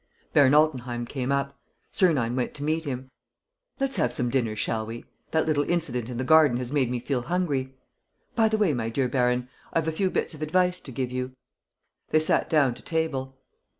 Baron Altenheim came up. Sernine went to meet him: "Let's have some dinner, shall we? That little incident in the garden has made me feel hungry. By the way, my dear baron, I have a few bits of advice to give you. ..." They sat down to table.